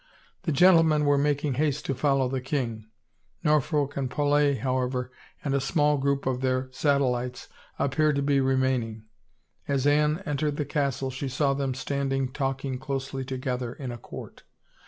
The gentlemen were mak ing haste to follow the king. Norfolk and Paulet, how ever, and a small group of their satellites, appeared to be remaining; as Anne entered the castle she saw them standing talking closely together in a court.